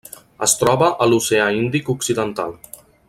Es troba a l'Oceà Índic occidental.